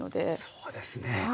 そうですね。